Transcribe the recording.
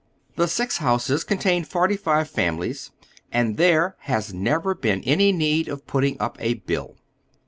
The six houses contain foi'ty five families, and there " has never been any need of putting up a bill."